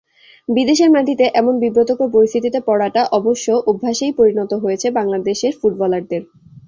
বিদেশের মাটিতে এমন বিব্রতকর পরিস্থিতিতে পড়াটা অবশ্য অভ্যাসেই পরিণত হয়েছে বাংলাদেশের ফুটবলারদের।